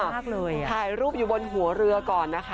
ถ่ายรูปอยู่บนหัวเรือก่อนนะคะ